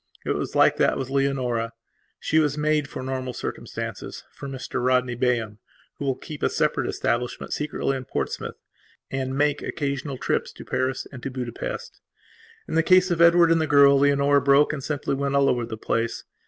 It was like that with Leonora. She was made for normal circumstancesfor Mr Rodney Bayham, who will keep a separate establishment, secretly, in Portsmouth, and make occasional trips to Paris and to Budapest. In the case of Edward and the girl, Leonora broke and simply went all over the place.